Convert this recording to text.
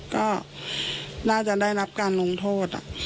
ก็น่าจะได้รับการลงโทษ